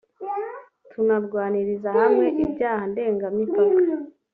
tunarwanyiriza hamwe ibyaha ndengamipaka”